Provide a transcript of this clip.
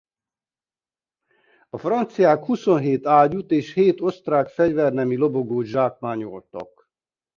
A franciák huszonhét ágyút és hét osztrák fegyvernemi lobogót zsákmányoltak.